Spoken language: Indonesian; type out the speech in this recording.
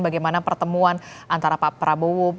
bagaimana pertemuan antara pak prabowo